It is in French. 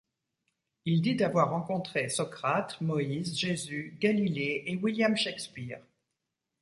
Il dit avoir rencontré Socrate, Moïse, Jésus, Galilée et William Shakespeare.